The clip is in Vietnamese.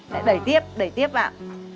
đẩy tiếp đẩy tiếp vào